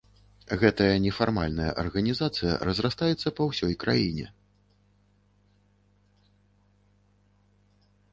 Гэтая нефармальная арганізацыя разрастаецца па ўсёй краіне.